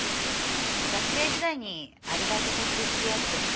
学生時代にアルバイト先で知り合って。